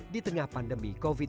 di tengah pandemi covid sembilan belas